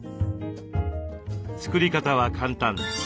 作り方は簡単。